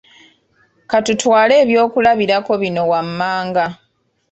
Ka tutwale ebyokulabirako bino wammanga